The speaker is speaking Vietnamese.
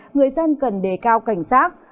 người dân cần đề cao cảnh sát